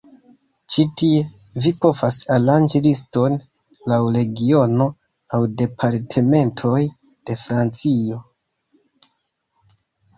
Ĉi tie, vi povas aranĝi liston laŭ regiono aŭ Departementoj de Francio.